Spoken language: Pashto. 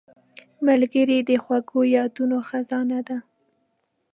ملګری د خوږو یادونو خزانه ده